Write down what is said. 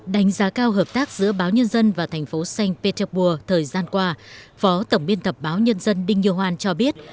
đánh giá cao hợp tác giữa báo nhân dân và thành phố sành pê tec pua thời gian qua phó tổng biên tập báo nhân dân đinh như hoan cho biết